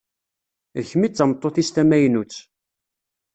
D kemm i d tameṭṭut-is tamaynut.